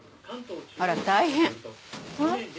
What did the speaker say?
あら大変ん？